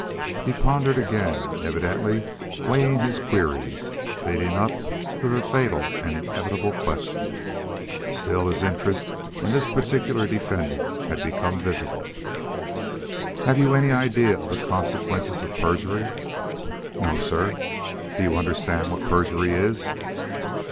He pondered again, evidently weighing his queries, leading up to the fatal and inevitable question. Still, his interest in this particular defendant had become visible. "Have you any idea of the consequences of perjury?" "No, sir." "Do you understand what perjury is?"